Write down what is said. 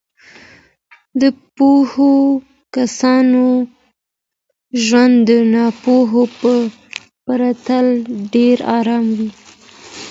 د پوهو کسانو ژوند د ناپوهو په پرتله ډېر ارام وي.